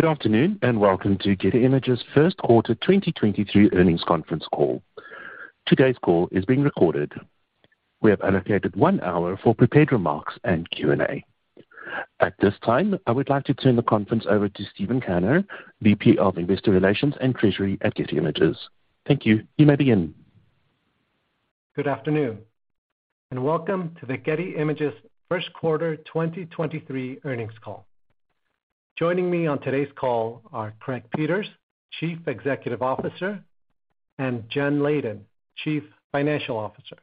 Good afternoon, welcome to Getty Images first quarter 2023 earnings conference call. Today's call is being recorded. We have allocated one hour for prepared remarks and Q&A. At this time, I would like to turn the conference over to Steven Kanner, VP of Investor Relations and Treasury at Getty Images. Thank you. You may begin. Good afternoon. Welcome to the Getty Images first quarter 2023 earnings call. Joining me on today's call are Craig Peters, Chief Executive Officer, and Jen Leyden, Chief Financial Officer.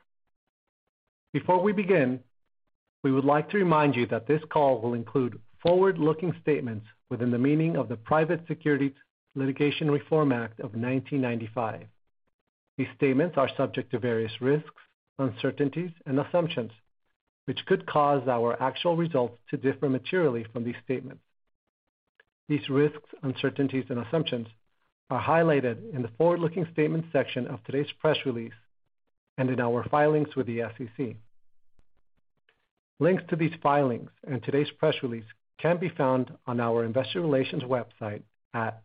Before we begin, we would like to remind you that this call will include forward-looking statements within the meaning of the Private Securities Litigation Reform Act of 1995. These statements are subject to various risks, uncertainties, and assumptions, which could cause our actual results to differ materially from these statements. These risks, uncertainties, and assumptions are highlighted in the forward-looking statements section of today's press release and in our filings with the SEC. Links to these filings and today's press release can be found on our investor relations website at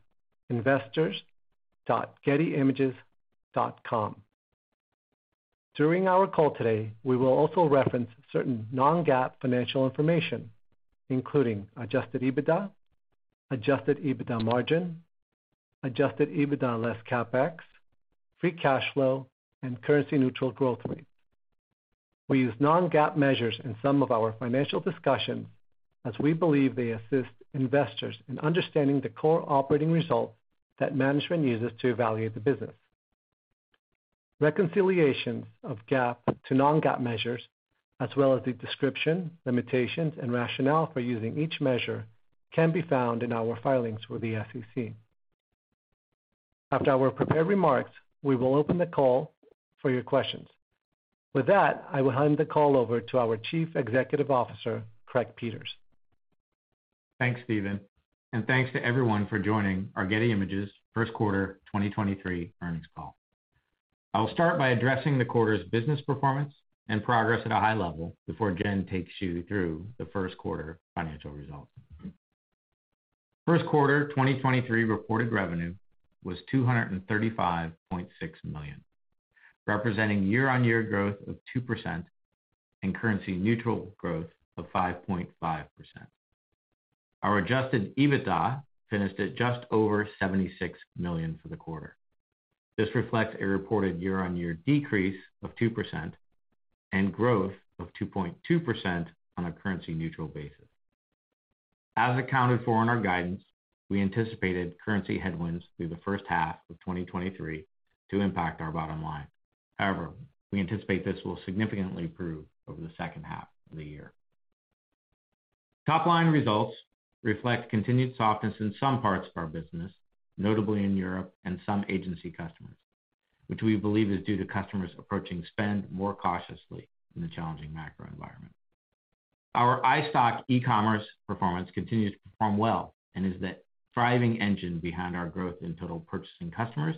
investors.gettyimages.com. During our call today, we will also reference certain non-GAAP financial information, including adjusted EBITDA, adjusted EBITDA margin, adjusted EBITDA less CapEx, free cash flow, and currency-neutral growth rates. We use non-GAAP measures in some of our financial discussions as we believe they assist investors in understanding the core operating results that management uses to evaluate the business. Reconciliations of GAAP to non-GAAP measures, as well as the description, limitations, and rationale for using each measure, can be found in our filings with the SEC. After our prepared remarks, we will open the call for your questions. With that, I will hand the call over to our Chief Executive Officer, Craig Peters. Thanks, Steven, thanks to everyone for joining our Getty Images first quarter 2023 earnings call. I will start by addressing the quarter's business performance and progress at a high level before Jen takes you through the first quarter financial results. First quarter 2023 reported revenue was $235.6 million, representing year-on-year growth of 2% and currency-neutral growth of 5.5%. Our adjusted EBITDA finished at just over $76 million for the quarter. This reflects a reported year-on-year decrease of 2% and growth of 2.2% on a currency-neutral basis. As accounted for in our guidance, we anticipated currency headwinds through the first half of 2023 to impact our bottom line. However, we anticipate this will significantly improve over the second half of the year. Top line results reflect continued softness in some parts of our business, notably in Europe and some agency customers, which we believe is due to customers approaching spend more cautiously in the challenging macro environment. Our iStock e-commerce performance continues to perform well and is the thriving engine behind our growth in total purchasing customers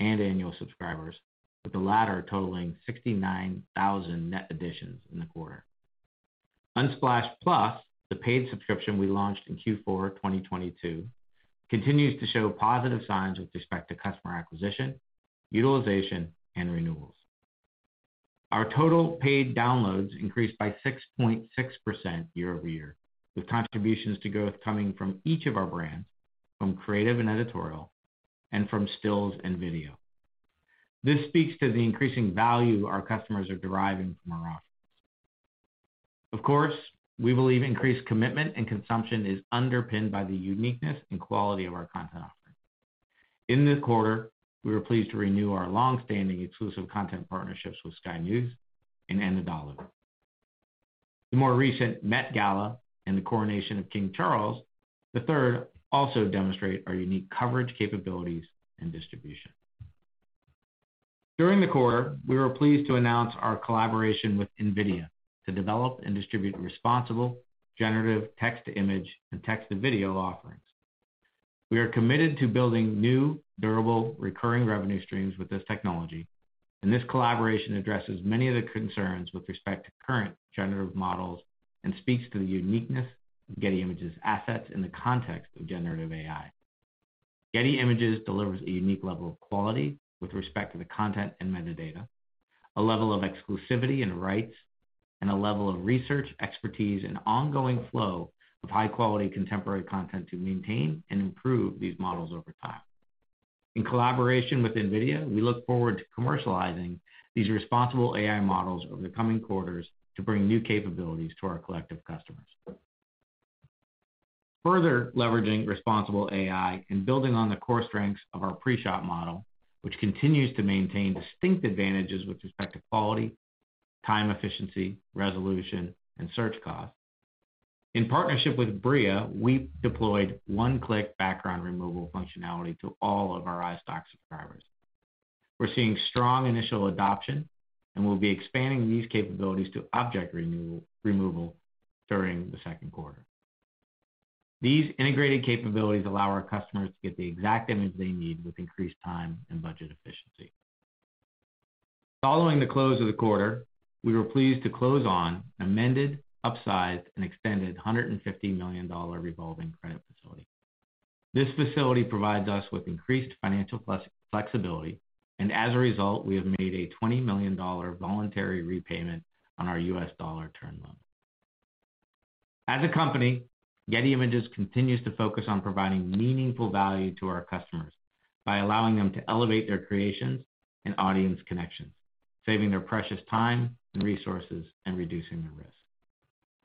and annual subscribers, with the latter totaling 69,000 net additions in the quarter. Unsplash+, the paid subscription we launched in Q4 2022, continues to show positive signs with respect to customer acquisition, utilization, and renewals. Our total paid downloads increased by 6.6% year-over-year, with contributions to growth coming from each of our brands, from creative and editorial, and from stills and video. This speaks to the increasing value our customers are deriving from our offerings. Of course, we believe increased commitment and consumption is underpinned by the uniqueness and quality of our content offering. In this quarter, we were pleased to renew our long-standing exclusive content partnerships with Sky News and Anadolu. The more recent Met Gala and the Coronation of King Charles III also demonstrate our unique coverage capabilities and distribution. During the quarter, we were pleased to announce our collaboration with NVIDIA to develop and distribute responsible generative text-to-image and text-to-video offerings. We are committed to building new, durable, recurring revenue streams with this technology, and this collaboration addresses many of the concerns with respect to current generative models and speaks to the uniqueness of Getty Images assets in the context of generative AI. Getty Images delivers a unique level of quality with respect to the content and metadata, a level of exclusivity and rights, and a level of research expertise and ongoing flow of high quality contemporary content to maintain and improve these models over time. In collaboration with NVIDIA, we look forward to commercializing these responsible AI models over the coming quarters to bring new capabilities to our collective customers. Further leveraging responsible AI and building on the core strengths of our pre-shot model, which continues to maintain distinct advantages with respect to quality, time efficiency, resolution, and search cost. In partnership with Bria, we deployed one-click background removal functionality to all of our iStock subscribers. We're seeing strong initial adoption, and we'll be expanding these capabilities to object removal during the second quarter. These integrated capabilities allow our customers to get the exact image they need with increased time and budget efficiency. Following the close of the quarter, we were pleased to close on amended, upsized and extended $150 million revolving credit facility. This facility provides us with increased financial flexibility, and as a result, we have made a $20 million voluntary repayment on our U.S. dollar term loan. As a company, Getty Images continues to focus on providing meaningful value to our customers by allowing them to elevate their creations and audience connections, saving their precious time and resources, and reducing the risk.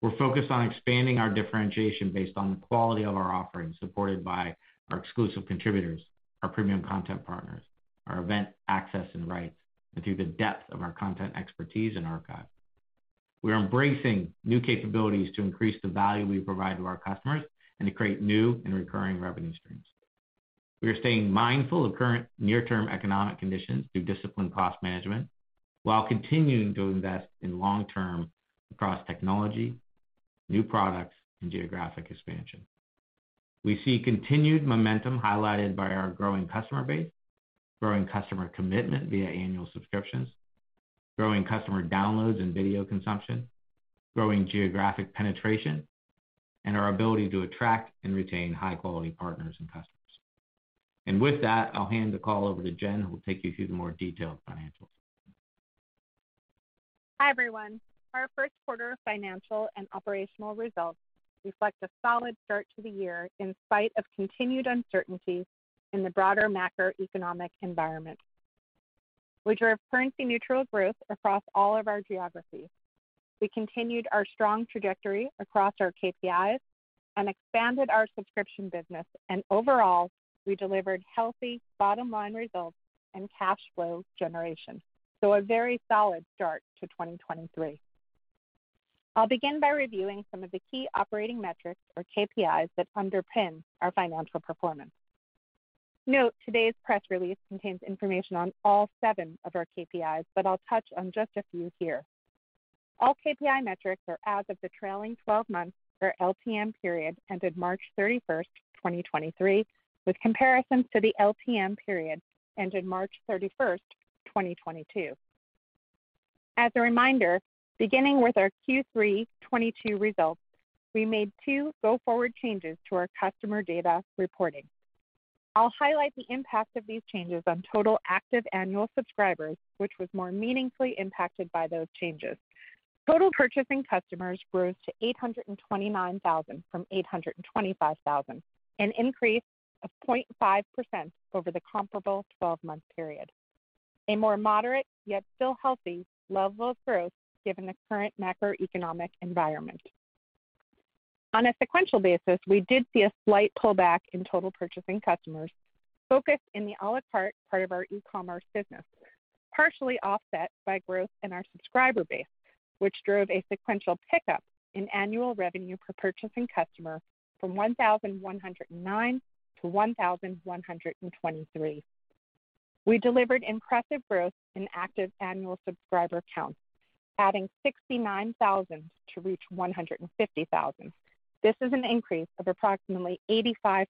We're focused on expanding our differentiation based on the quality of our offerings, supported by our exclusive contributors, our premium content partners, our event access and rights, and through the depth of our content expertise and archive. We are embracing new capabilities to increase the value we provide to our customers and to create new and recurring revenue streams. We are staying mindful of current near-term economic conditions through disciplined cost management, while continuing to invest in long-term across technology, new products, and geographic expansion. We see continued momentum highlighted by our growing customer base, growing customer commitment via annual subscriptions, growing customer downloads and video consumption, growing geographic penetration, and our ability to attract and retain high-quality partners and customers. With that, I'll hand the call over to Jen, who will take you through the more detailed financials. Hi, everyone. Our first quarter financial and operational results reflect a solid start to the year in spite of continued uncertainty in the broader macroeconomic environment. We drove currency-neutral growth across all of our geographies. We continued our strong trajectory across our KPIs and expanded our subscription business. Overall, we delivered healthy bottom line results and cash flow generation. A very solid start to 2023. I'll begin by reviewing some of the key operating metrics or KPIs that underpin our financial performance. Note, today's press release contains information on all 7 of our KPIs, but I'll touch on just a few here. All KPI metrics are as of the trailing 12 months or LTM period ended March 31st, 2023, with comparisons to the LTM period ended March 31st, 2022. As a reminder, beginning with our Q3 2022 results, we made 2 go forward changes to our customer data reporting. I'll highlight the impact of these changes on total active annual subscribers, which was more meaningfully impacted by those changes. Total purchasing customers grew to 829,000 from 825,000, an increase of 0.5% over the comparable 12-month period. A more moderate, yet still healthy level of growth given the current macroeconomic environment. On a sequential basis, we did see a slight pullback in total purchasing customers focused in the à la carte part of our e-commerce business, partially offset by growth in our subscriber base, which drove a sequential pickup in annual revenue per purchasing customer from $1,109-$1,123. We delivered impressive growth in active annual subscriber counts, adding 69,000 to reach 150,000. This is an increase of approximately 85%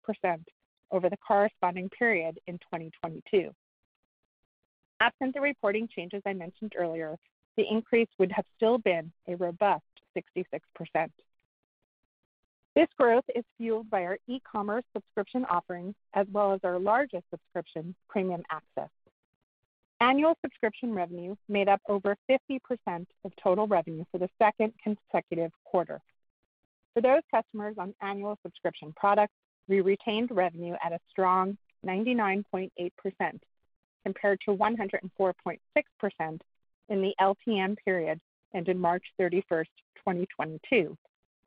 over the corresponding period in 2022. Absent the reporting changes I mentioned earlier, the increase would have still been a robust 66%. This growth is fueled by our e-commerce subscription offerings as well as our largest subscription, Premium Access. Annual subscription revenue made up over 50% of total revenue for the second consecutive quarter. For those customers on annual subscription products, we retained revenue at a strong 99.8% compared to 104.6% in the LTM period ended March 31st, 2022,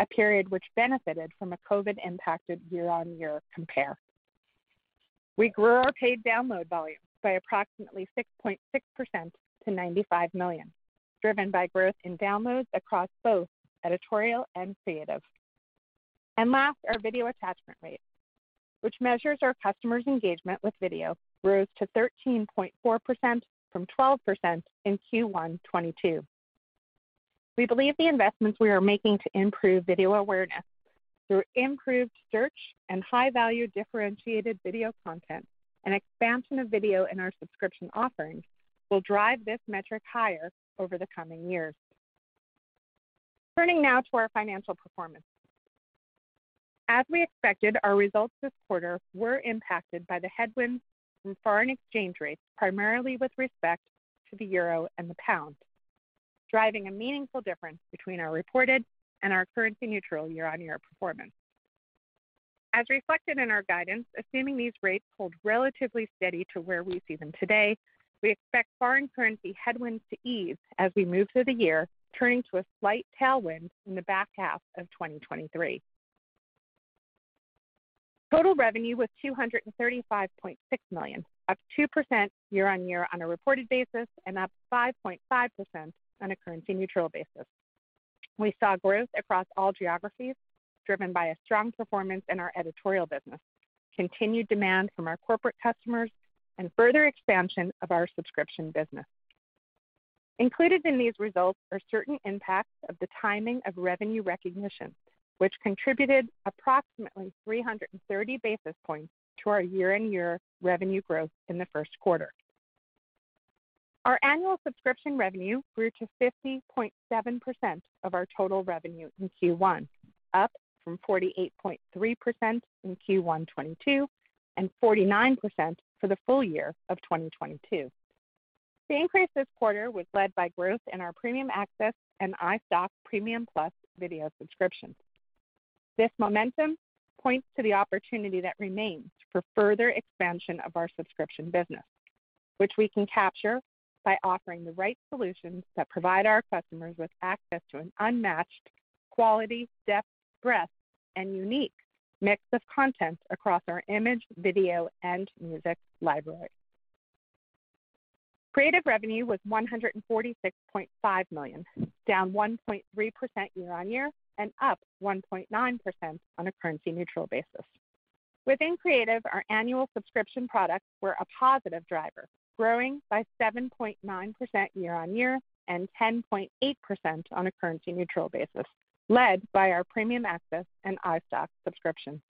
a period which benefited from a COVID impacted year-over-year compare. We grew our paid download volume by approximately 6.6% to 95 million, driven by growth in downloads across both editorial and creative. Last, our video attachment rate, which measures our customers' engagement with video, rose to 13.4% from 12% in Q1 2022. We believe the investments we are making to improve video awareness through improved search and high value differentiated video content and expansion of video in our subscription offerings will drive this metric higher over the coming years. Turning now to our financial performance. As we expected, our results this quarter were impacted by the headwinds from foreign exchange rates, primarily with respect to the euro and the pound, driving a meaningful difference between our reported and our currency-neutral year-on-year performance. As reflected in our guidance, assuming these rates hold relatively steady to where we see them today, we expect foreign currency headwinds to ease as we move through the year, turning to a slight tailwind in the back half of 2023. Total revenue was $235.6 million, up 2% year-on-year on a reported basis, and up 5.5% on a currency-neutral basis. We saw growth across all geographies, driven by a strong performance in our editorial business, continued demand from our corporate customers, and further expansion of our subscription business. Included in these results are certain impacts of the timing of revenue recognition, which contributed approximately 330 basis points to our year-on-year revenue growth in the first quarter. Our annual subscription revenue grew to 50.7% of our total revenue in Q1, up from 48.3% in Q1 2022 and 49% for the full year of 2022. The increase this quarter was led by growth in our Premium Access and iStock Premium Plus video subscription. This momentum points to the opportunity that remains for further expansion of our subscription business, which we can capture by offering the right solutions that provide our customers with access to an unmatched quality, depth, breadth, and unique mix of content across our image, video, and music library. Creative revenue was $146.5 million, down 1.3% year-on-year and up 1.9% on a currency-neutral basis. Within Creative, our annual subscription products were a positive driver, growing by 7.9% year-on-year and 10.8% on a currency-neutral basis, led by our Premium Access and iStock subscription.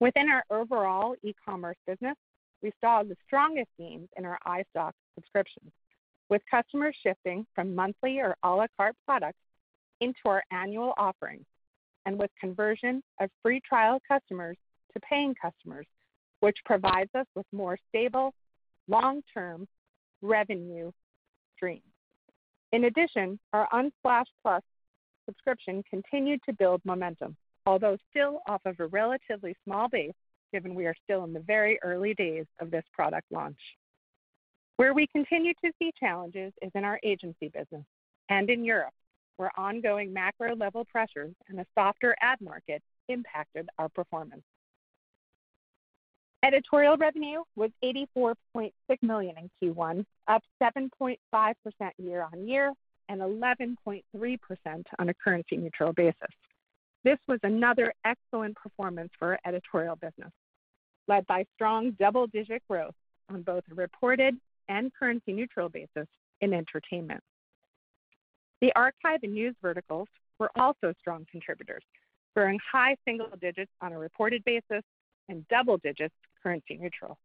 Within our overall e-commerce business, we saw the strongest gains in our iStock subscriptions, with customers shifting from monthly or à la carte products into our annual offerings and with conversion of free trial customers to paying customers, which provides us with more stable long-term revenue stream. In addition, our Unsplash+ subscription continued to build momentum, although still off of a relatively small base, given we are still in the very early days of this product launch. Where we continue to see challenges is in our agency business and in Europe, where ongoing macro-level pressures and a softer ad market impacted our performance. Editorial revenue was $84.6 million in Q1, up 7.5% year-on-year and 11.3% on a currency-neutral basis. This was another excellent performance for our editorial business, led by strong double-digit growth on both a reported and currency-neutral basis in entertainment. The archive and news verticals were also strong contributors, growing high single digits on a reported basis and double digits currency-neutral.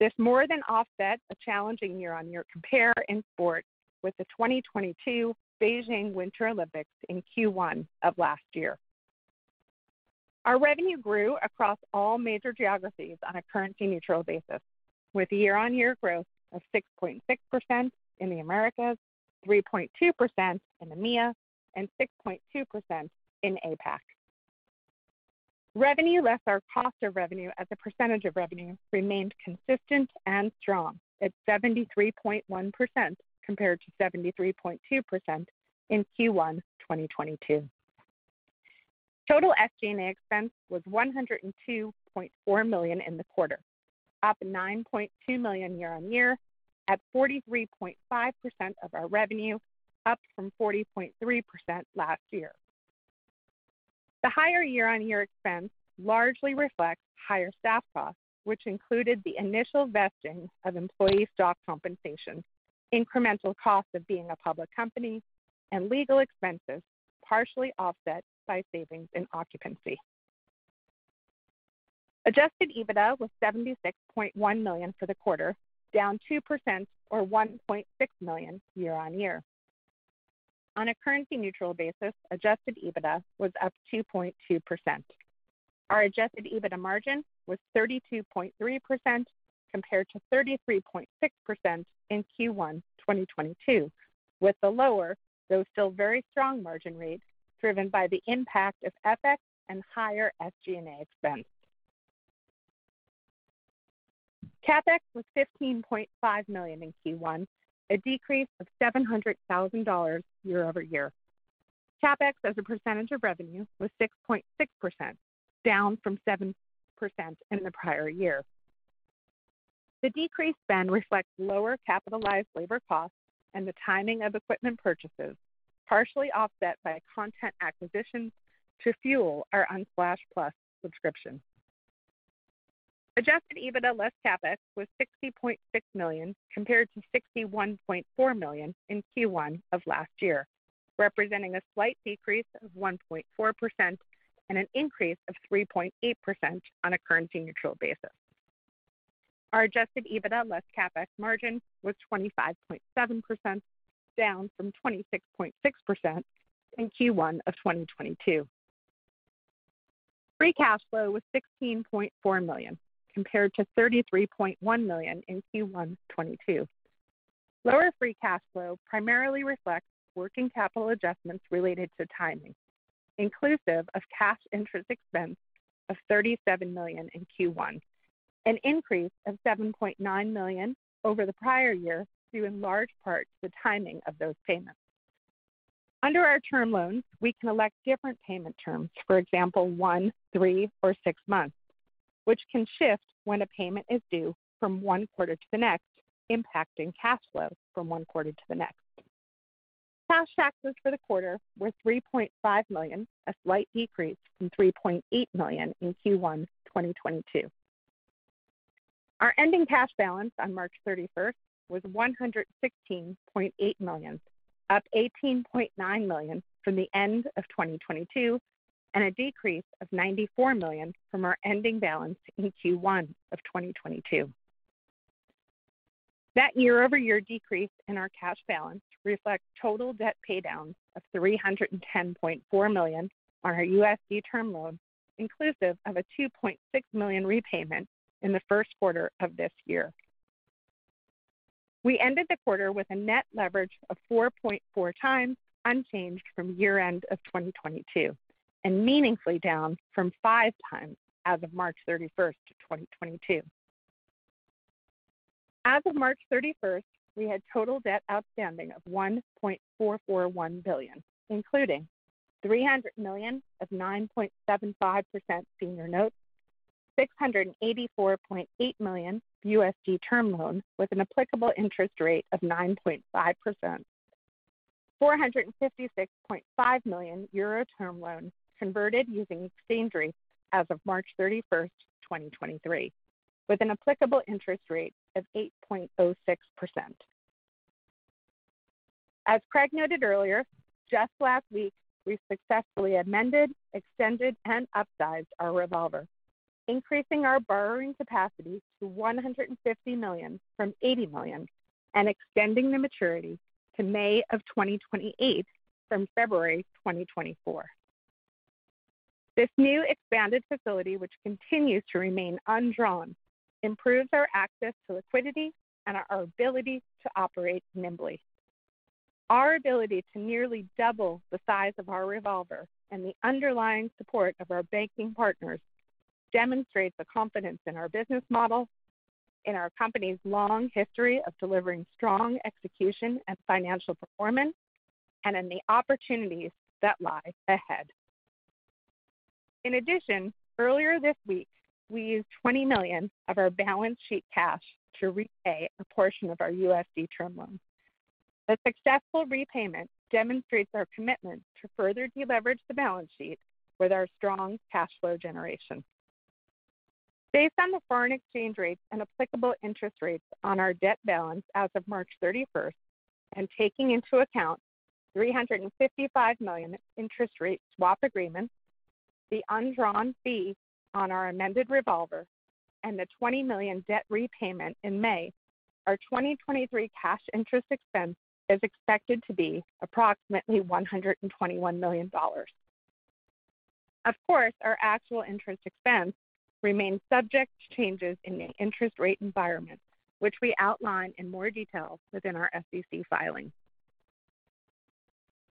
This more than offset a challenging year-on-year compare in sport with the 2022 Beijing Winter Olympics in Q1 of last year. Our revenue grew across all major geographies on a currency-neutral basis, with year-on-year growth of 6.6% in the Americas, 3.2% in EMEA, and 6.2% in APAC. Revenue less our cost of revenue as a percentage of revenue remained consistent and strong at 73.1%, compared to 73.2% in Q1 2022. Total SG&A expense was $102.4 million in the quarter, up $9.2 million year-on-year at 43.5% of our revenue, up from 40.3% last year. The higher year-on-year expense largely reflects higher staff costs, which included the initial vesting of employee stock compensation, incremental costs of being a public company, and legal expenses, partially offset by savings in occupancy. Adjusted EBITDA was $76.1 million for the quarter, down 2% or $1.6 million year-on-year. On a currency-neutral basis, adjusted EBITDA was up 2.2%. Our adjusted EBITDA margin was 32.3% compared to 33.6% in Q1 2022, with the lower, though still very strong margin rate, driven by the impact of FX and higher SG&A expense. CapEx was $15.5 million in Q1, a decrease of $700,000 year-over-year. CapEx as a percentage of revenue was 6.6%, down from 7% in the prior year. The decreased spend reflects lower capitalized labor costs and the timing of equipment purchases, partially offset by content acquisitions to fuel our Unsplash+ subscription. Adjusted EBITDA less CapEx was $60.6 million compared to $61.4 million in Q1 of last year, representing a slight decrease of 1.4% and an increase of 3.8% on a currency neutral basis. Our adjusted EBITDA less CapEx margin was 25.7%, down from 26.6% in Q1 of 2022. Free cash flow was $16.4 million, compared to $33.1 million in Q1 2022. Lower free cash flow primarily reflects working capital adjustments related to timing, inclusive of cash interest expense of $37 million in Q1, an increase of $7.9 million over the prior year, due in large part to the timing of those payments. Under our term loans, we can elect different payment terms, for example, one, three or six months, which can shift when a payment is due from one quarter to the next, impacting cash flow from one quarter to the next. Cash taxes for the quarter were $3.5 million, a slight decrease from $3.8 million in Q1 2022. Our ending cash balance on March 31st was $116.8 million, up $18.9 million from the end of 2022, and a decrease of $94 million from our ending balance in Q1 of 2022. That year-over-year decrease in our cash balance reflects total debt pay downs of $310.4 million on our USD term loan, inclusive of a $2.6 million repayment in the first quarter of this year. We ended the quarter with a net leverage of 4.4 times, unchanged from year-end of 2022, and meaningfully down from 5 times as of March 31st, 2022. As of March 31st, we had total debt outstanding of $1.441 billion, including $300 million of 9.75% senior notes, $684.8 million USD term loans with an applicable interest rate of 9.5%. 456.5 million euro term loan converted using exchange rates as of March 31st, 2023, with an applicable interest rate of 8.06%. As Craig noted earlier, just last week, we successfully amended, extended, and upsized our revolver, increasing our borrowing capacity to $150 million from $80 million and extending the maturity to May of 2028 from February 2024. This new expanded facility, which continues to remain undrawn, improves our access to liquidity and our ability to operate nimbly. Our ability to nearly double the size of our revolver and the underlying support of our banking partners demonstrates the confidence in our business model, in our company's long history of delivering strong execution and financial performance, and in the opportunities that lie ahead. Earlier this week, we used $20 million of our balance sheet cash to repay a portion of our USD term loan. The successful repayment demonstrates our commitment to further deleverage the balance sheet with our strong cash flow generation. Based on the foreign exchange rates and applicable interest rates on our debt balance as of March 31st, and taking into account $355 million interest rate swap agreement, the undrawn fee on our amended revolver, and the $20 million debt repayment in May, our 2023 cash interest expense is expected to be approximately $121 million. Of course, our actual interest expense remains subject to changes in the interest rate environment, which we outline in more detail within our SEC filing.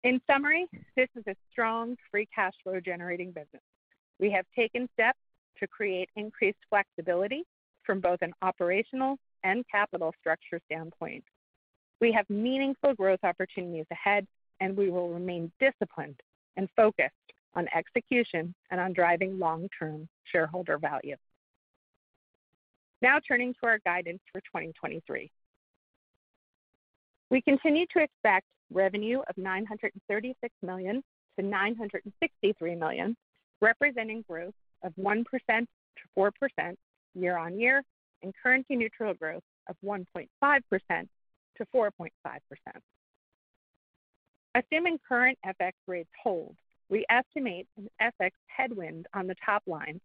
In summary, this is a strong free cash flow-generating business. We have taken steps to create increased flexibility from both an operational and capital structure standpoint. We have meaningful growth opportunities ahead, and we will remain disciplined and focused on execution and on driving long-term shareholder value. Turning to our guidance for 2023. We continue to expect revenue of $936 million-$963 million, representing growth of 1%-4% year-over-year and currency-neutral growth of 1.5%-4.5%. Assuming current FX rates hold, we estimate an FX headwind on the top line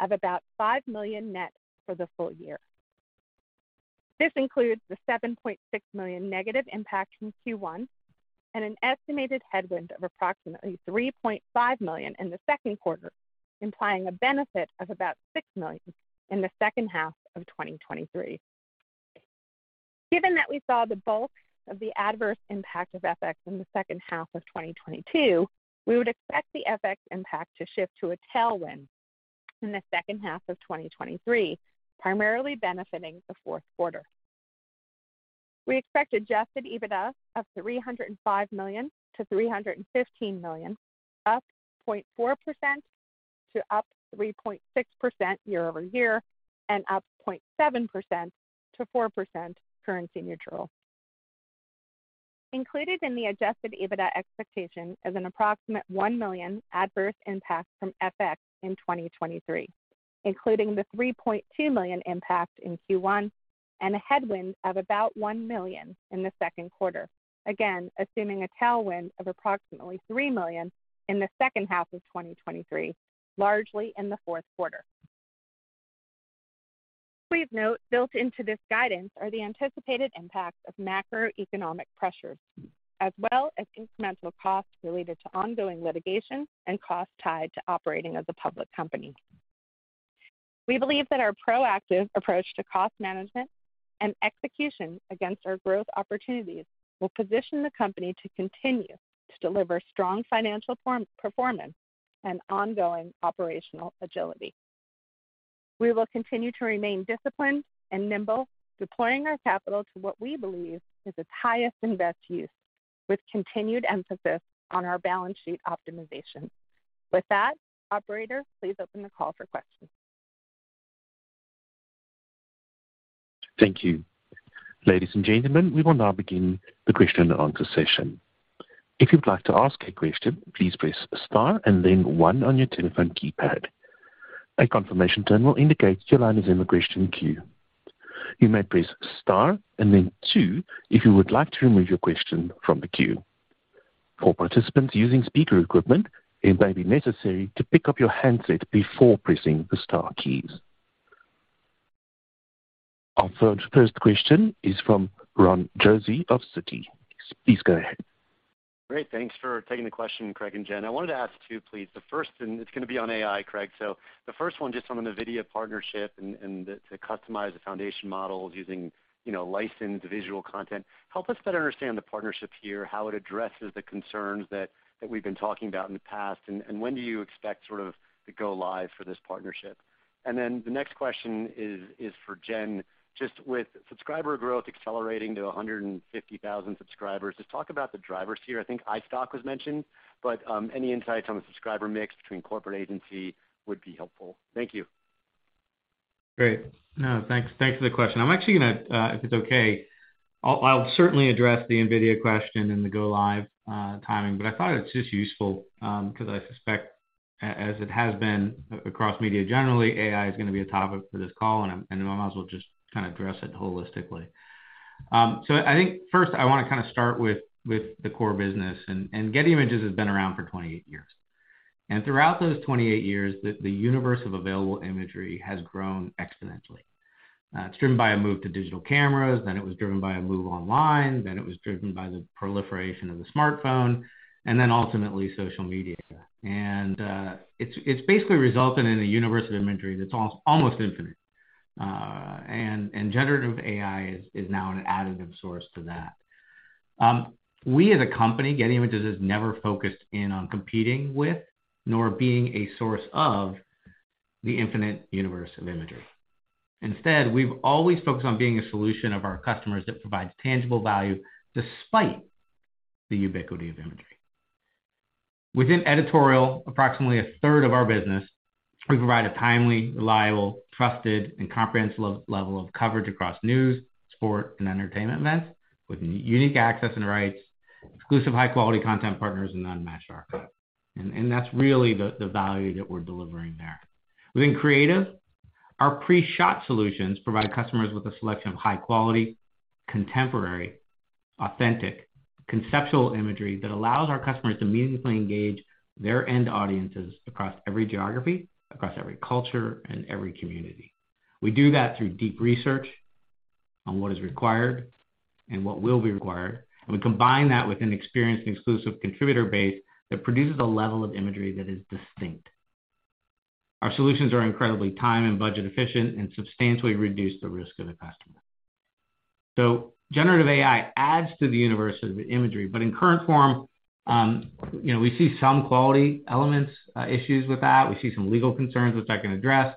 of about $5 million net for the full year. This includes the $7.6 million negative impact in Q1 and an estimated headwind of approximately $3.5 million in the second quarter, implying a benefit of about $6 million in the second half of 2023. Given that we saw the bulk of the adverse impact of FX in the second half of 2022, we would expect the FX impact to shift to a tailwind in the second half of 2023, primarily benefiting the fourth quarter. We expect adjusted EBITDA of $305 million-$315 million, up 0.4% to up 3.6% year-over-year and up 0.7%-4% currency neutral. Included in the adjusted EBITDA expectation is an approximate $1 million adverse impact from FX in 2023, including the $3.2 million impact in Q1 and a headwind of about $1 million in the second quarter. Assuming a tailwind of approximately $3 million in the second half of 2023, largely in the fourth quarter. Please note, built into this guidance are the anticipated impacts of macroeconomic pressures as well as incremental costs related to ongoing litigation and costs tied to operating as a public company. We believe that our proactive approach to cost management and execution against our growth opportunities will position the company to continue to deliver strong financial performance and ongoing operational agility. We will continue to remain disciplined and nimble, deploying our capital to what we believe is its highest and best use with continued emphasis on our balance sheet optimization. With that, operator, please open the call for questions. Thank you. Ladies and gentlemen, we will now begin the question and answer session. If you'd like to ask a question, please press star and then one on your telephone keypad. A confirmation tone will indicate your line is in the question queue. You may press star and then two if you would like to remove your question from the queue. For participants using speaker equipment, it may be necessary to pick up your handset before pressing the star keys. Our first question is from Youssef Squali of Citi. Please go ahead. Great. Thanks for taking the question, Craig and Jen, I wanted to ask 2, please. The first, it's gonna be on AI, Craig. The first one just on the NVIDIA partnership and to customize the foundation models using, you know, licensed visual content. Help us better understand the partnership here, how it addresses the concerns that we've been talking about in the past. When do you expect sort of to go live for this partnership? The next question is for Jen. Just with subscriber growth accelerating to 150,000 subscribers, just talk about the drivers here. I think iStock was mentioned, but any insights on the subscriber mix between corporate agency would be helpful. Thank you. Great. No, thanks. Thanks for the question. I'm actually gonna, if it's okay, I'll certainly address the NVIDIA question and the go live timing, but I thought it's just useful, 'cause I suspect as it has been across media, generally, AI is gonna be a topic for this call, and I, and I might as well just kind of address it holistically. So I think first I wanna kind of start with the core business and Getty Images has been around for 28 years. Throughout those 28 years, the universe of available imagery has grown exponentially. It's driven by a move to digital cameras, then it was driven by a move online, then it was driven by the proliferation of the smartphone and then ultimately social media. It's basically resulted in a universe of imagery that's almost infinite. Generative AI is now an additive source to that. We as a company, Getty Images, has never focused in on competing with nor being a source of the infinite universe of imagery. Instead, we've always focused on being a solution of our customers that provides tangible value despite the ubiquity of imagery. Within editorial, approximately a third of our business, we provide a timely, reliable, trusted, and comprehensive level of coverage across news, sport, and entertainment events with unique access and rights, exclusive high quality content partners and unmatched archive. That's really the value that we're delivering there. Within creative, our pre-shot solutions provide customers with a selection of high quality, contemporary, authentic, conceptual imagery that allows our customers to immediately engage their end audiences across every geography, across every culture and every community. We do that through deep research on what is required and what will be required, we combine that with an experienced and exclusive contributor base that produces a level of imagery that is distinct. Our solutions are incredibly time and budget efficient and substantially reduce the risk of a customer. Generative AI adds to the universe of imagery, but in current form, you know, we see some quality elements, issues with that. We see some legal concerns, which I can address.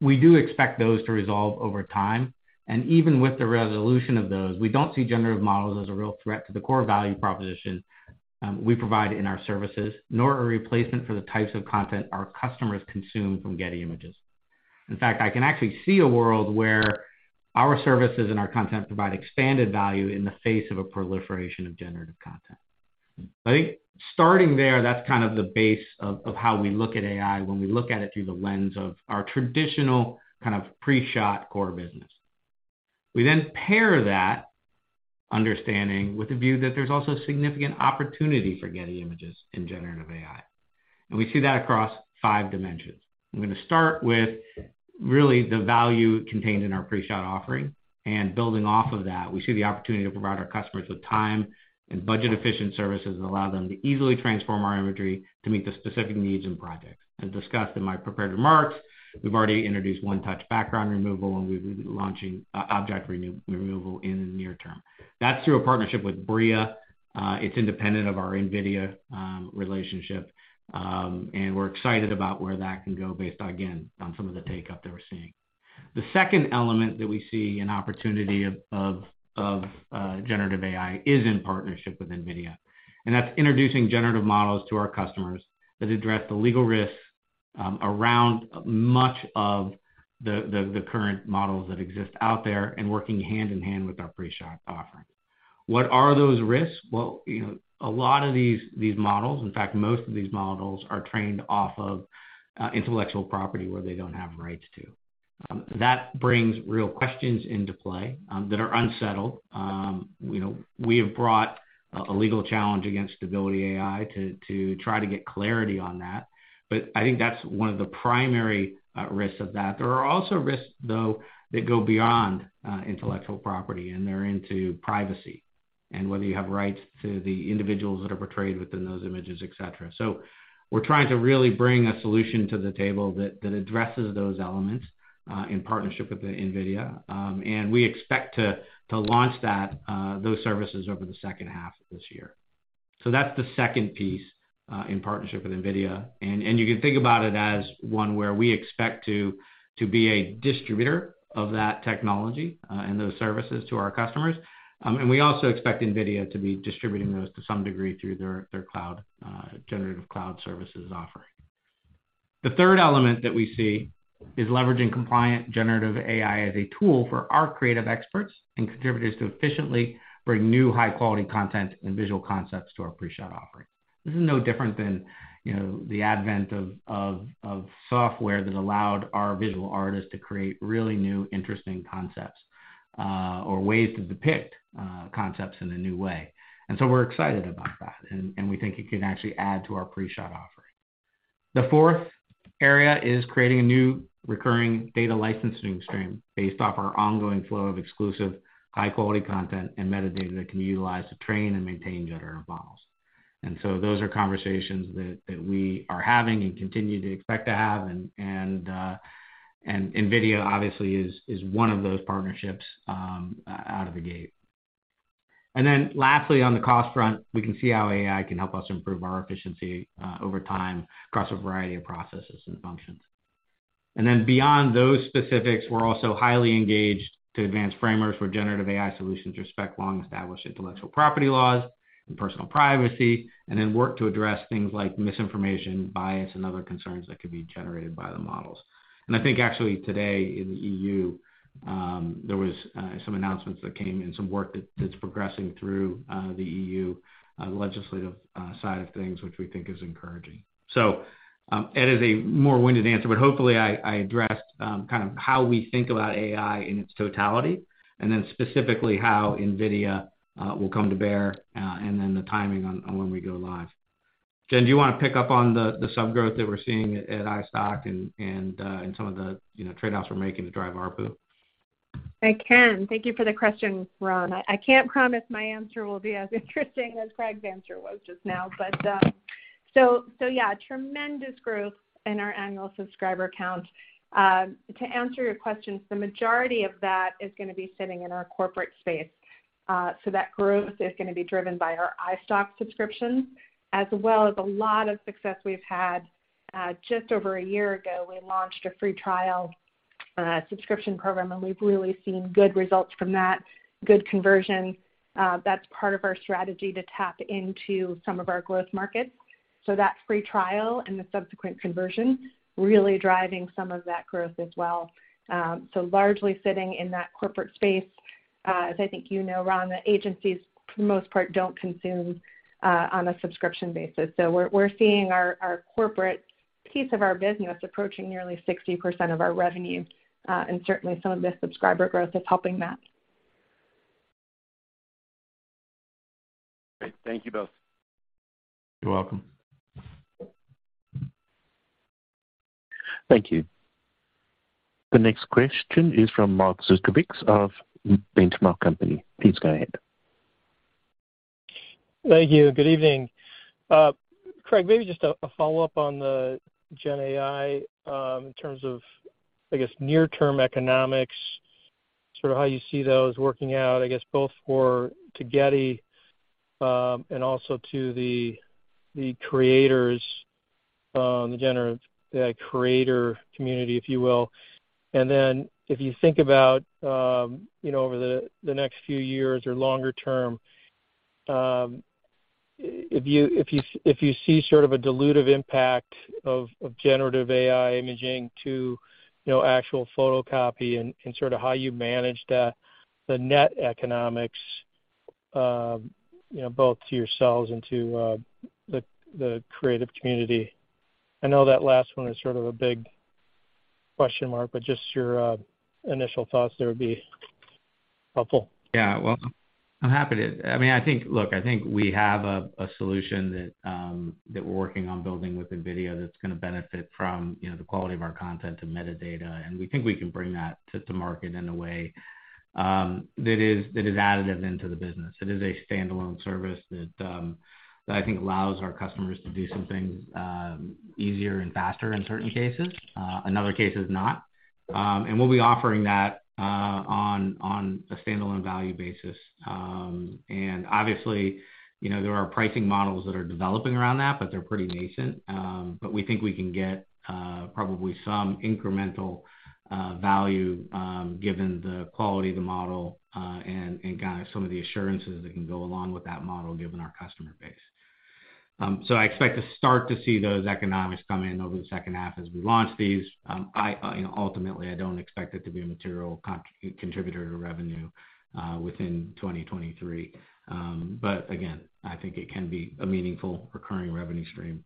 We do expect those to resolve over time. Even with the resolution of those, we don't see generative models as a real threat to the core value proposition, we provide in our services, nor a replacement for the types of content our customers consume from Getty Images. In fact, I can actually see a world where our services and our content provide expanded value in the face of a proliferation of generative content. I think starting there, that's kind of the base of how we look at AI when we look at it through the lens of our traditional kind of pre-shot core business. We then pair that understanding with the view that there's also significant opportunity for Getty Images in generative AI, and we see that across five dimensions. I'm gonna start with really the value contained in our pre-shot offering, building off of that, we see the opportunity to provide our customers with time and budget efficient services and allow them to easily transform our imagery to meet the specific needs and projects. As discussed in my prepared remarks, we've already introduced one touch background removal, and we'll be launching object removal in the near term. That's through a partnership with Bria. It's independent of our NVIDIA relationship. We're excited about where that can go based on some of the take-up that we're seeing. The second element that we see an opportunity of generative AI is in partnership with NVIDIA. That's introducing generative models to our customers that address the legal risks around much of the current models that exist out there and working hand in hand with our pre-shot offering. What are those risks? You know, a lot of these models, in fact, most of these models are trained off of intellectual property where they don't have rights to. That brings real questions into play that are unsettled. You know, we have brought a legal challenge against Stability AI to try to get clarity on that. I think that's one of the primary risks of that. There are also risks though that go beyond intellectual property, and they're into privacy and whether you have rights to the individuals that are portrayed within those images, et cetera. We're trying to really bring a solution to the table that addresses those elements in partnership with the NVIDIA. We expect to launch that those services over the second half of this year. That's the second piece in partnership with NVIDIA. You can think about it as one where we expect to be a distributor of that technology and those services to our customers. We also expect NVIDIA to be distributing those to some degree through their cloud, generative cloud services offering. The third element that we see is leveraging compliant generative AI as a tool for our creative experts and contributors to efficiently bring new high-quality content and visual concepts to our pre-shot offering. This is no different than, you know, the advent of software that allowed our visual artists to create really new, interesting concepts, or ways to depict concepts in a new way. We're excited about that, and we think it can actually add to our pre-shot offering. The fourth area is creating a new recurring data licensing stream based off our ongoing flow of exclusive high-quality content and metadata that can be utilized to train and maintain generative models. So those are conversations that we are having and continue to expect to have, and NVIDIA obviously is one of those partnerships out of the gate. Then lastly, on the cost front, we can see how AI can help us improve our efficiency over time across a variety of processes and functions. Then beyond those specifics, we're also highly engaged to advance frameworks for generative AI solutions, respect long-established intellectual property laws and personal privacy, and then work to address things like misinformation, bias, and other concerns that could be generated by the models. I think actually today in the E.U., there was some announcements that came in, some work that's progressing through the E.U. legislative side of things, which we think is encouraging. It is a more winded answer, but hopefully I addressed, kind of how we think about AI in its totality, and then specifically how NVIDIA will come to bear, and then the timing on when we go live. Jen, do you wanna pick up on the sub growth that we're seeing at iStock and some of the, you know, trade-offs we're making to drive ARPU? I can. Thank you for the question, Ron. I can't promise my answer will be as interesting as Craig's answer was just now. Yeah, tremendous growth in our annual subscriber count. To answer your questions, the majority of that is gonna be sitting in our corporate space. That growth is gonna be driven by our iStock subscriptions, as well as a lot of success we've had. Just over a year ago, we launched a free trial subscription program, and we've really seen good results from that, good conversion. That's part of our strategy to tap into some of our growth markets. That free trial and the subsequent conversion really driving some of that growth as well. Largely sitting in that corporate space. As I think you know, Ron, the agencies for the most part don't consume on a subscription basis. We're, we're seeing our corporate piece of our business approaching nearly 60% of our revenue, and certainly some of the subscriber growth is helping that. Great. Thank you both. You're welcome. Thank you. The next question is from Mark Zgutowicz of Benchmark Company. Please go ahead. Thank you. Good evening. Craig, maybe just a follow-up on the GenAI, in terms of, I guess, near term economics, sort of how you see those working out, I guess both for, to Getty, and also to the creators, the generative, the creator community, if you will. Then if you think about, you know, over the next few years or longer term, if you see sort of a dilutive impact of generative AI imaging to, you know, actual photography and sort of how you manage the net economics, you know, both to yourselves and to the creative community. I know that last one is sort of a big question mark, but just your initial thoughts there would be helpful. Yeah. Well, I'm happy to. I mean, I think, look, I think we have a solution that we're working on building with NVIDIA that's gonna benefit from, you know, the quality of our content and metadata, and we think we can bring that to market in a way that is additive into the business. It is a standalone service that I think allows our customers to do some things easier and faster in certain cases, in other cases not. We'll be offering that on a standalone value basis. Obviously, you know, there are pricing models that are developing around that, but they're pretty nascent. But we think we can get probably some incremental value given the quality of the model and kind of some of the assurances that can go along with that model given our customer base. I expect to start to see those economics come in over the second half as we launch these. I, you know, ultimately I don't expect it to be a material contributor to revenue within 2023. Again, I think it can be a meaningful recurring revenue stream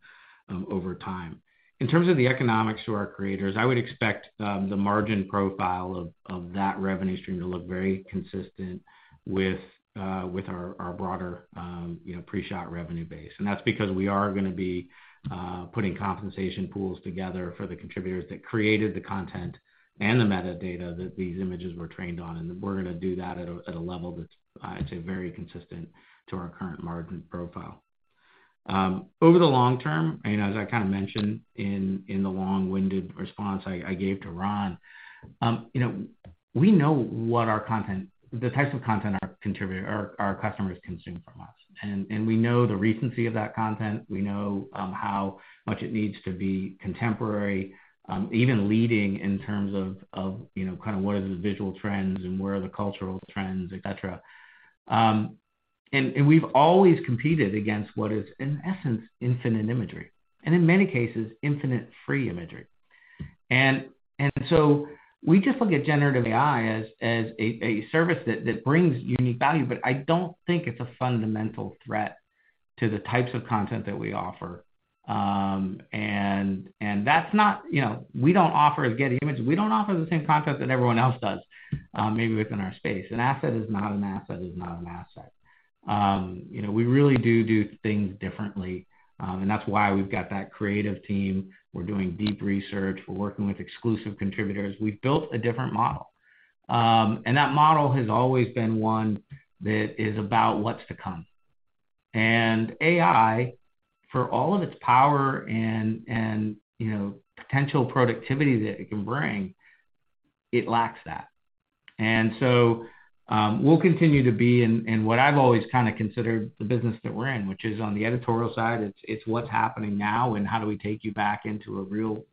over time. In terms of the economics to our creators, I would expect the margin profile of that revenue stream to look very consistent with our broader, you know, pre-shot revenue base. That's because we are gonna be putting compensation pools together for the contributors that created the content and the metadata that these images were trained on, and we're gonna do that at a level that's I'd say very consistent to our current margin profile. Over the long term, and as I kinda mentioned in the long-winded response I gave to Ron, you know, we know the types of content our customers consume from us. We know the recency of that content. We know how much it needs to be contemporary, even leading in terms of, you know, kind of what are the visual trends and where are the cultural trends, et cetera. We've always competed against what is, in essence, infinite imagery, and in many cases, infinite free imagery. We just look at generative AI as a service that brings unique value. I don't think it's a fundamental threat to the types of content that we offer. You know, we don't offer a Getty Images. We don't offer the same content that everyone else does, maybe within our space. An asset is not an asset is not an asset. You know, we really do things differently, and that's why we've got that creative team. We're doing deep research. We're working with exclusive contributors. We've built a different model. That model has always been one that is about what's to come. AI, for all of its power and, you know, potential productivity that it can bring, it lacks that. We'll continue to be in what I've always kinda considered the business that we're in, which is on the editorial side. It's what's happening now and how do we take you back into a real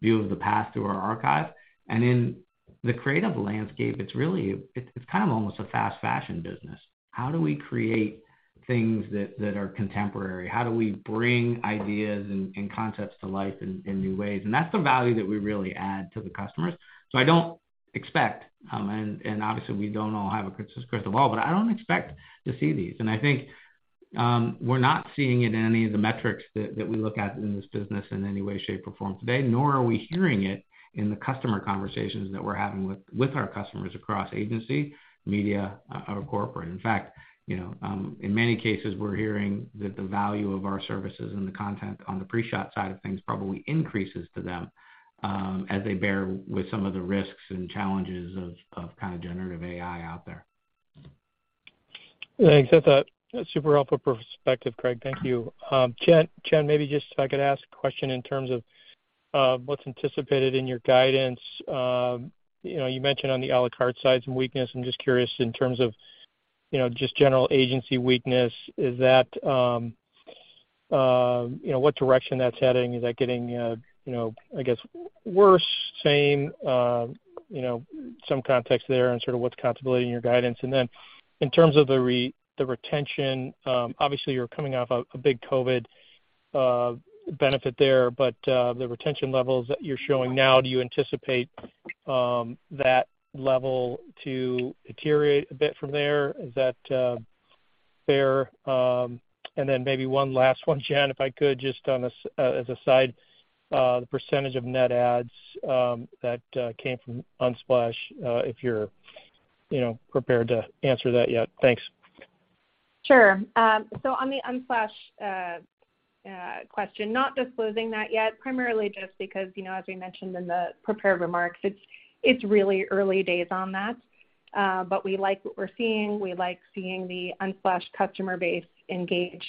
view of the past through our archive. In the creative landscape, it's kind of almost a fast fashion business. How do we create things that are contemporary? How do we bring ideas and concepts to life in new ways? That's the value that we really add to the customers. I don't expect, and obviously we don't all have a crystal ball, but I don't expect to see these. I think, we're not seeing it in any of the metrics that we look at in this business in any way, shape, or form today, nor are we hearing it in the customer conversations that we're having with our customers across agency, media, or corporate. In fact, you know, in many cases, we're hearing that the value of our services and the content on the pre-shot side of things probably increases to them, as they bear with some of the risks and challenges of kinda generative AI out there. Thanks. That's a super helpful perspective, Craig. Thank you. Jen, maybe just if I could ask a question in terms of what's anticipated in your guidance. You know, you mentioned on the a la carte side, some weakness. I'm just curious in terms of, you know, just general agency weakness, is that, you know, what direction that's heading? Is that getting, you know, I guess worse, same, you know, some context there and sort of what's contributing your guidance? And then in terms of the retention, obviously you're coming off a big COVID benefit there, but the retention levels that you're showing now, do you anticipate that level to deteriorate a bit from there? Is that fair? Maybe one last one, Jen, if I could, just on a side, the percentage of net adds that came from Unsplash, if you're, you know, prepared to answer that yet? Thanks. Sure. On the Unsplash question, not disclosing that yet, primarily just because, you know, as we mentioned in the prepared remarks, it's really early days on that. We like what we're seeing. We like seeing the Unsplash customer base engage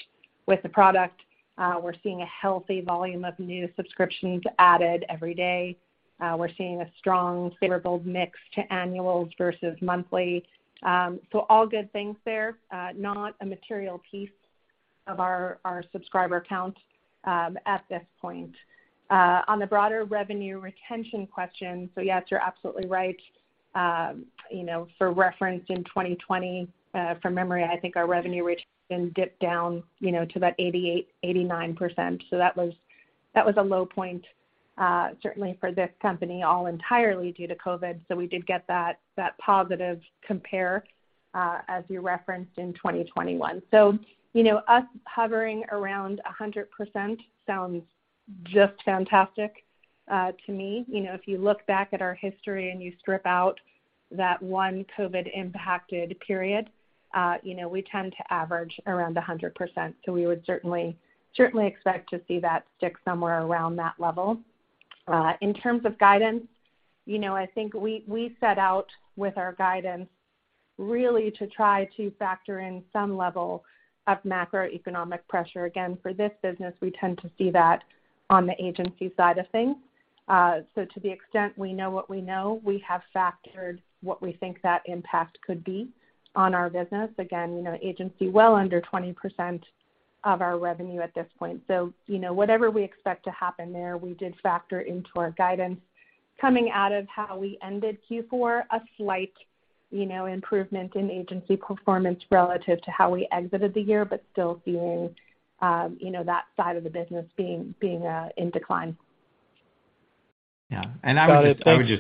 with the product. We're seeing a healthy volume of new subscriptions added every day. We're seeing a strong favorable mix to annuals versus monthly. All good things there. Not a material piece of our subscriber count at this point. On the broader revenue retention question, yes, you're absolutely right. You know, for reference, in 2020, from memory, I think our revenue retention dipped down, you know, to about 88%-89%. That was a low point, certainly for this company, all entirely due to COVID. We did get that positive compare, as you referenced in 2021. You know, us hovering around 100% sounds just fantastic to me. You know, if you look back at our history and you strip out that one COVID-impacted period, you know, we tend to average around 100%, so we would certainly expect to see that stick somewhere around that level. In terms of guidance, you know, I think we set out with our guidance really to try to factor in some level of macroeconomic pressure. Again, for this business, we tend to see that on the agency side of things. To the extent we know what we know, we have factored what we think that impact could be on our business. You know, agency well under 20% of our revenue at this point. You know, whatever we expect to happen there, we did factor into our guidance coming out of how we ended Q4, a slight, you know, improvement in agency performance relative to how we exited the year, but still seeing, you know, that side of the business being in decline. Yeah. Sorry. Thanks. No, no.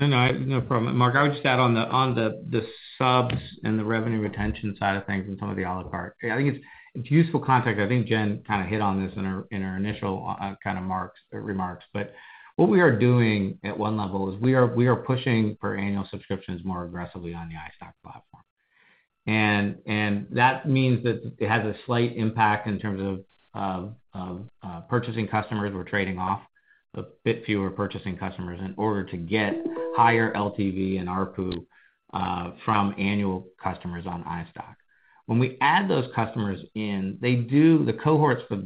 No problem, Mark. I would just add on the subs and the revenue retention side of things and some of the a la carte. I think it's useful context. I think Jen kinda hit on this in our initial remarks. What we are doing at one level is we are pushing for annual subscriptions more aggressively on the iStock platform. That means that it has a slight impact in terms of purchasing customers. We're trading off a bit fewer purchasing customers in order to get higher LTV and ARPU from annual customers on iStock. When we add those customers in, the cohorts for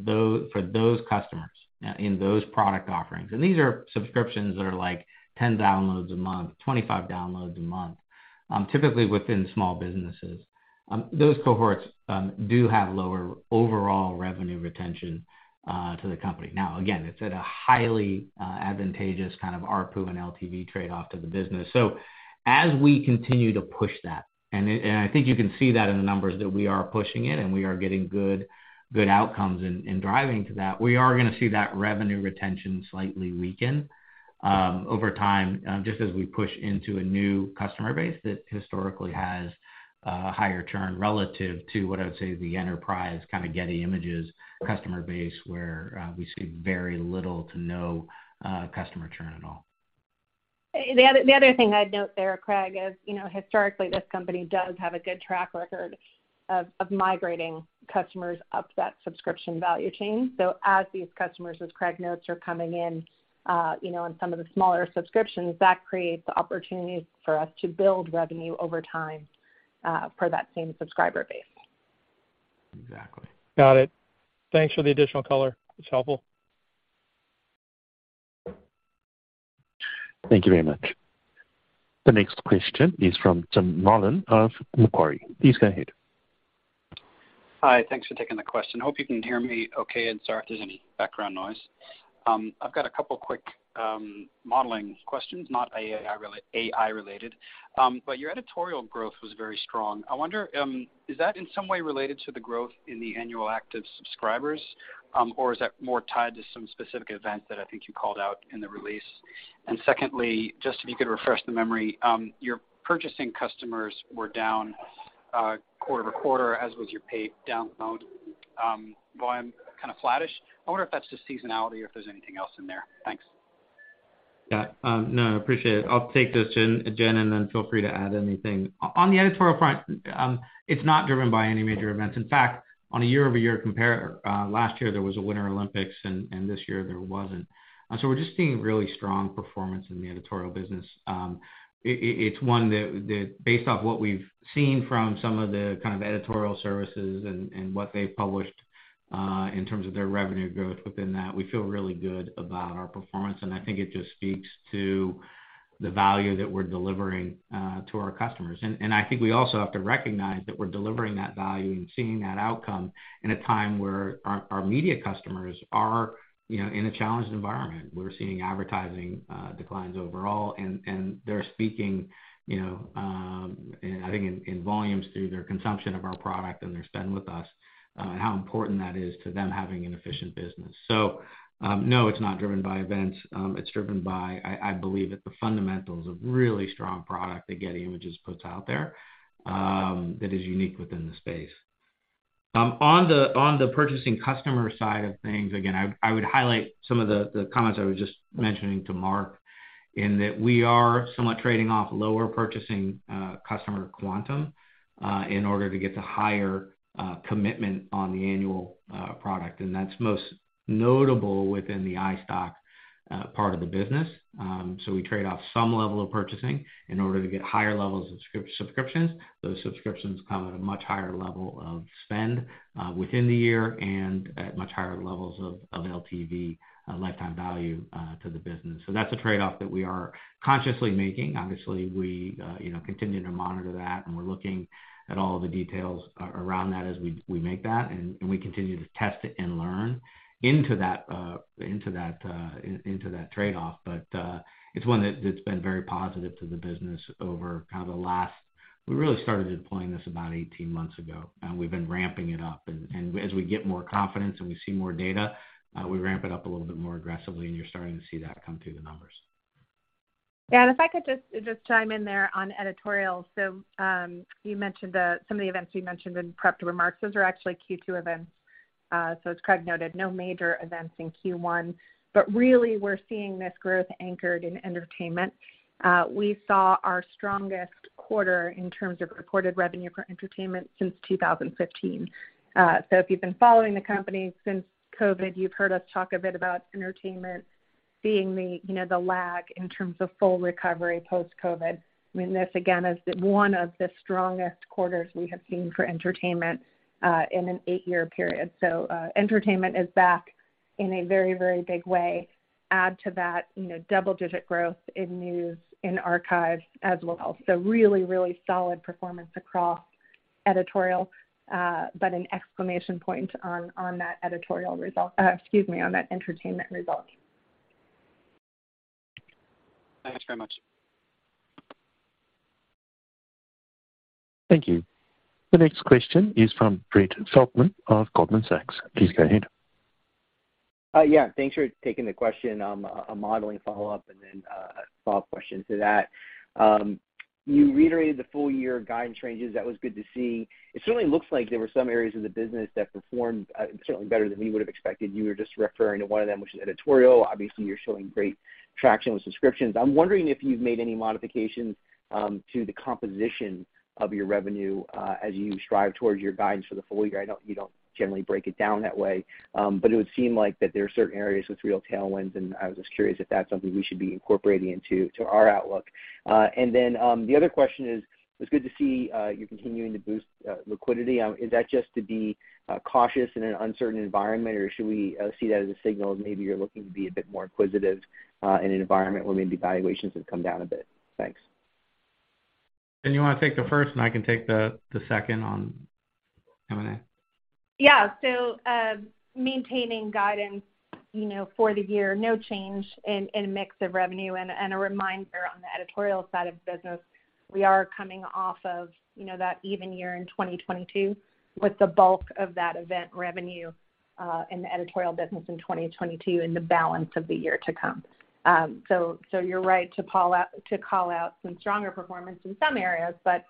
those customers, in those product offerings, and these are subscriptions that are, like, 10 downloads a month, 25 downloads a month, typically within small businesses. Those cohorts do have lower overall revenue retention to the company. Now, again, it's at a highly advantageous kind of ARPU and LTV trade-off to the business. As we continue to push that, and I think you can see that in the numbers that we are pushing it and we are getting good outcomes in driving to that, we are gonna see that revenue retention slightly weaken over time, just as we push into a new customer base that historically has higher churn relative to what I would say the enterprise kind of Getty Images customer base, where, we see very little to no customer churn at all. The other thing I'd note there, Craig, is, you know, historically, this company does have a good track record of migrating customers up that subscription value chain. As these customers, as Craig notes, are coming in, you know, on some of the smaller subscriptions, that creates opportunities for us to build revenue over time for that same subscriber base. Exactly. Got it. Thanks for the additional color. It's helpful. Thank you very much. The next question is from Tim Nollen of Macquarie. Please go ahead. Hi. Thanks for taking the question. Hope you can hear me okay, and sorry if there's any background noise. I've got a couple quick modeling questions, not AI related. Your editorial growth was very strong. I wonder, is that in some way related to the growth in the annual active subscribers, or is that more tied to some specific events that I think you called out in the release? Secondly, just if you could refresh the memory, your purchasing customers were down quarter-over-quarter, as was your paid download volume kind of flattish. I wonder if that's just seasonality or if there's anything else in there. Thanks. Yeah. No, I appreciate it. I'll take this, Jen, and then feel free to add anything. On the editorial front, it's not driven by any major events. In fact, on a year-over-year compare, last year there was a Winter Olympics, and this year there wasn't. We're just seeing really strong performance in the editorial business. It's one that based off what we've seen from some of the kind of editorial services and what they've published, in terms of their revenue growth within that, we feel really good about our performance, and I think it just speaks to the value that we're delivering to our customers. I think we also have to recognize that we're delivering that value and seeing that outcome in a time where our media customers are, you know, in a challenged environment. We're seeing advertising declines overall. They're speaking, you know, I think in volumes through their consumption of our product and their spend with us, how important that is to them having an efficient business. No, it's not driven by events. It's driven by, I believe, at the fundamentals of really strong product that Getty Images puts out there, that is unique within the space. On the purchasing customer side of things, again, I would highlight some of the comments I was just mentioning to Mark in that we are somewhat trading off lower purchasing customer quantum in order to get to higher commitment on the annual product. That's most notable within the iStock part of the business. We trade off some level of purchasing in order to get higher levels of subscriptions. Those subscriptions come at a much higher level of spend within the year and at much higher levels of LTV, lifetime value, to the business. That's a trade-off that we are consciously making. Obviously, we, you know, continue to monitor that, and we're looking at all the details around that as we make that, and we continue to test it and learn into that, into that, into that trade-off. It's one that's been very positive to the business over kind of the last. We really started deploying this about 18 months ago, and we've been ramping it up. As we get more confidence and we see more data, we ramp it up a little bit more aggressively, and you're starting to see that come through the numbers. Yeah. If I could just chime in there on editorial. You mentioned some of the events you mentioned in prepped remarks, those are actually Q2 events. As Craig noted, no major events in Q1. Really we're seeing this growth anchored in entertainment. We saw our strongest quarter in terms of recorded revenue for entertainment since 2015. If you've been following the company since COVID, you've heard us talk a bit about entertainment being the, you know, the lag in terms of full recovery post-COVID. I mean, this again is one of the strongest quarters we have seen for entertainment in an 8-year period. Entertainment is back in a very, very big way. Add to that, you know, double-digit growth in news, in archives as well. really, really solid performance across editorial, but an exclamation point, excuse me, on that entertainment result. Thanks very much. Thank you. The next question is from Brett Feldman of Goldman Sachs. Please go ahead. Yeah, thanks for taking the question. A modeling follow-up and then a follow-up question to that. You reiterated the full-year guidance ranges. That was good to see. It certainly looks like there were some areas of the business that performed, certainly better than we would've expected. You were just referring to one of them, which is editorial. Obviously, you're showing great traction with subscriptions. I'm wondering if you've made any modifications to the composition of your revenue as you strive towards your guidance for the full year. You don't generally break it down that way, but it would seem like that there are certain areas with real tailwinds, and I was just curious if that's something we should be incorporating into our outlook? The other question is, it's good to see, you're continuing to boost liquidity. Is that just to be cautious in an uncertain environment, or should we see that as a signal of maybe you're looking to be a bit more inquisitive in an environment where maybe valuations have come down a bit? Thanks. You wanna take the first, and I can take the second on M&A. Maintaining guidance, you know, for the year, no change in mix of revenue. A reminder on the editorial side of the business, we are coming off of, you know, that even year in 2022, with the bulk of that event revenue in the editorial business in 2022 and the balance of the year to come. You're right to call out, to call out some stronger performance in some areas, but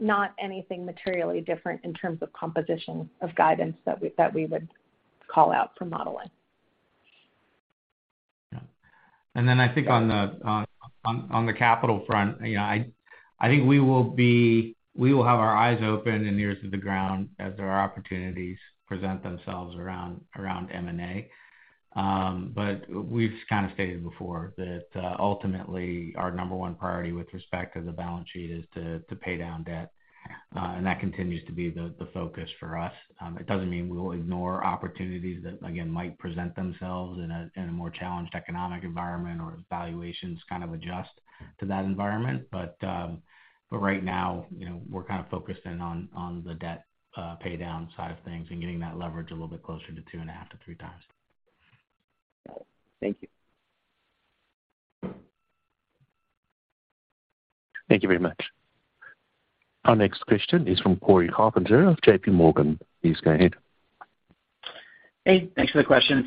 not anything materially different in terms of composition of guidance that we, that we would call out for modeling. Yeah. Then I think on the capital front, you know, I think we will have our eyes open and ears to the ground as there are opportunities present themselves around M&A. We've kind of stated before that ultimately our number 1 priority with respect to the balance sheet is to pay down debt, and that continues to be the focus for us. It doesn't mean we'll ignore opportunities that, again, might present themselves in a more challenged economic environment or valuations kind of adjust to that environment. Right now, you know, we're kind of focused in on the debt pay down side of things and getting that leverage a little bit closer to 2.5-3 times. Thank you. Thank you very much. Our next question is from Cory Carpenter of JPMorgan. Please go ahead. Hey, thanks for the questions.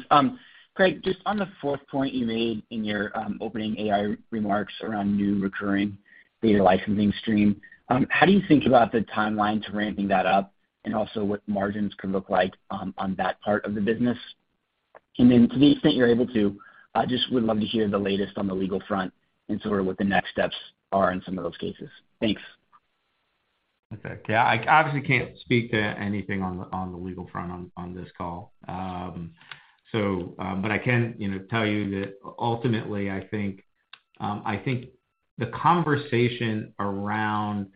Craig, just on the fourth point you made in your opening AI remarks around new recurring data licensing stream, how do you think about the timeline to ramping that up and also what margins could look like on that part of the business? Then to the extent you're able to, just would love to hear the latest on the legal front and sort of what the next steps are in some of those cases. Thanks. Okay. Yeah. I obviously can't speak to anything on the, on the legal front on this call. I can, you know, tell you that ultimately I think the conversation around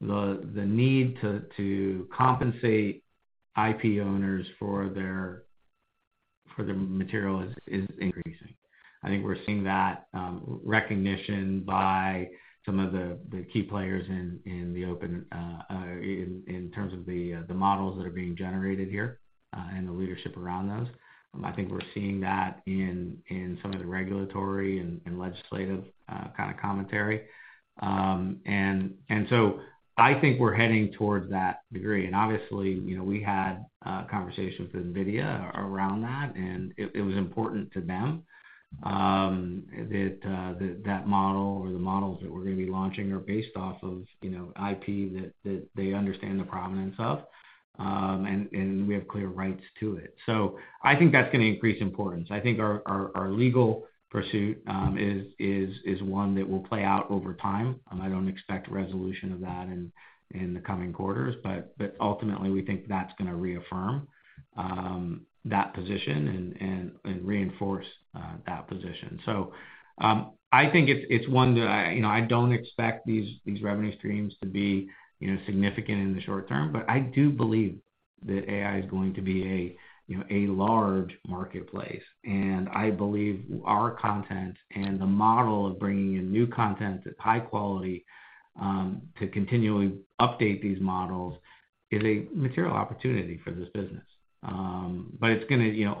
the need to compensate IP owners for their material is increasing. I think we're seeing that recognition by some of the key players in the open, in terms of the models that are being generated here, and the leadership around those. I think we're seeing that in some of the regulatory and legislative kind of commentary. I think we're heading towards that degree. Obviously, you know, we had conversations with NVIDIA around that, and it was important to them that that model or the models that we're gonna be launching are based off of, you know, IP that they understand the provenance of, and we have clear rights to it. I think that's gonna increase importance. I think our legal pursuit is one that will play out over time, and I don't expect resolution of that in the coming quarters. Ultimately we think that's gonna reaffirm that position and reinforce that position. I think it's one that I, you know, I don't expect these revenue streams to be, you know, significant in the short term, but I do believe that AI is going to be a, you know, a large marketplace. I believe our content and the model of bringing in new content that's high quality, to continually update these models is a material opportunity for this business.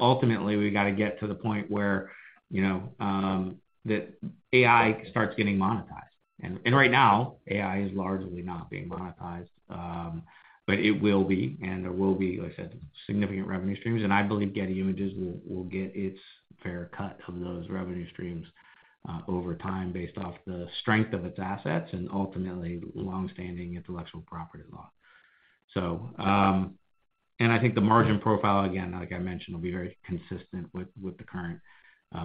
Ultimately we gotta get to the point where, you know, that AI starts getting monetized. Right now, AI is largely not being monetized, but it will be, and there will be, like I said, significant revenue streams, and I believe Getty Images will get its fair cut of those revenue streams over time based off the strength of its assets and ultimately long-standing intellectual property law. I think the margin profile, again, like I mentioned, will be very consistent with the current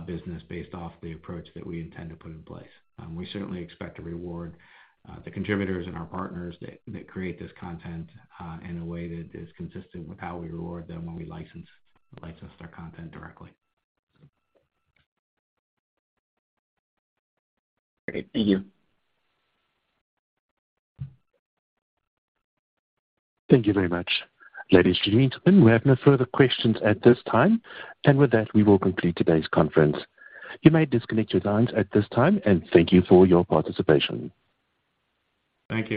business based off the approach that we intend to put in place. We certainly expect to reward the contributors and our partners that create this content in a way that is consistent with how we reward them when we license their content directly. Great. Thank you. Thank you very much. Ladies and gentlemen, we have no further questions at this time. With that, we will conclude today's conference. You may disconnect your lines at this time, and thank you for your participation. Thank you.